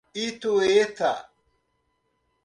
Itueta